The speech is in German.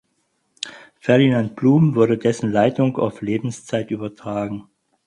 Ferdinand Blum wurde dessen Leitung auf Lebenszeit übertragen.